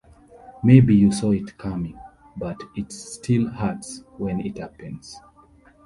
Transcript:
Maybe you saw it coming, but it still hurts when it happens.